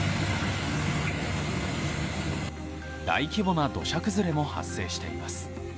大規模な土砂崩れも発生しています。